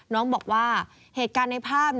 น้องบอกว่าเหตุการณ์ในภาพ